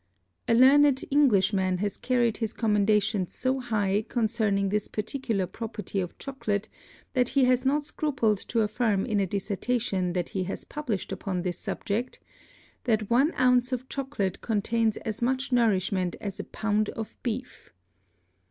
A learned Englishman has carried his Commendations so high concerning this particular Property of Chocolate, that he has not scrupled to affirm in a Dissertation that he has publish'd upon this Subject, That one Ounce of Chocolate contains as much Nourishment as a Pound of Beef.